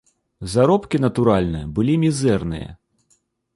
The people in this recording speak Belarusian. Заробкі, натуральна, былі мізэрныя.